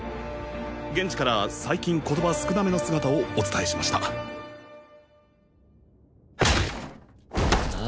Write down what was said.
現地から最近言葉少なめの姿をお伝えしましたあ